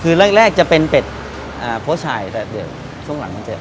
คือแรกจะเป็นเป็ดโพชัยแต่เดี๋ยวช่วงหลังมันเกิด